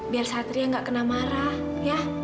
biar satria nggak kena marah ya